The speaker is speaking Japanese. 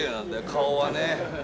顔はね。